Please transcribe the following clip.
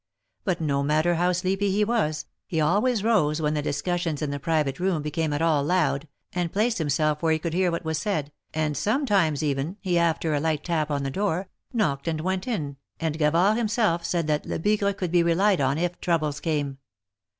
But no matter how sleepy he was, he always rose when the discussions in the private room became at all loud, and placed himself where he could hear what was said, and sometimes even, he after a light tap on the door, knocked and went in, and Gavard himself said that Lebigre could be relied on if troubles came.